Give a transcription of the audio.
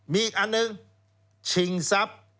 มีอีกอันนึงฉิงซับ